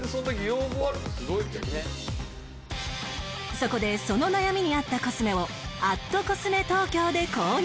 そこでその悩みに合ったコスメを ＠ｃｏｓｍｅＴＯＫＹＯ で購入